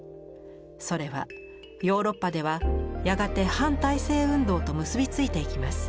それはヨーロッパではやがて反体制運動と結び付いていきます。